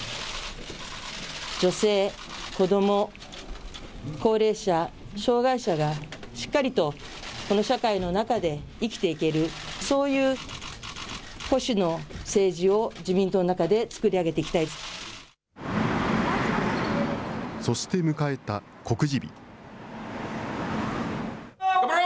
女性、子ども、高齢者、障害者がしっかりと、この社会の中で生きていける、そういう保守の政治を自民党の中で作り上げていきたい。